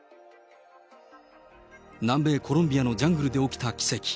南米コロンビアのジャングルで起きた奇跡。